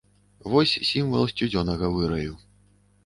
Вось сімвал сцюдзёнага выраю.